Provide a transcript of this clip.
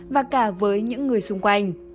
và cả với những người xung quanh